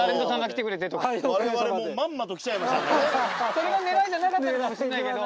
それがねらいじゃなかったかもしんないけど。